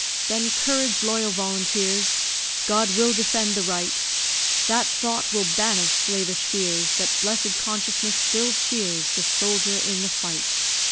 Then, courage, loyal volunteers! God will defend the right; That thought will banish slavish fears, That blessed consciousness still cheers The soldier in the fight.